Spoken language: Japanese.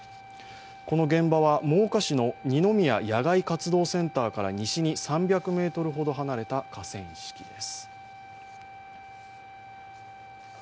この現場は、真岡市のにのみや野外活動センターから西に３００ｍほど離れた河川敷です。